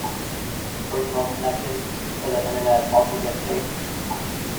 Personal connections to the internet also get shaped.